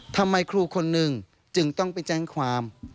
ทำไมครูคนหนึ่งจึงต้องไปแจ้งความ